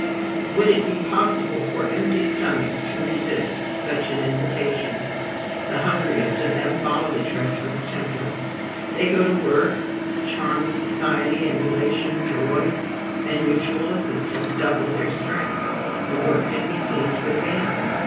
Would it be possible for empty stomachs to resist such an invitation? The hungriest of them follow the treacherous tempter. They go to work; the charm of society, emulation, joy, and mutual assistance double their strength; the work can be seen to advance.